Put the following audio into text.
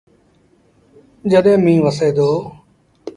جڏهيݩ ميݩهن وسي دو۔